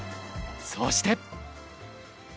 そして。